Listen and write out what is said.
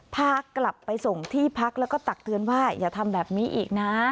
พากลับไปส่งที่พักแล้วก็ตักเตือนว่าอย่าทำแบบนี้อีกนะ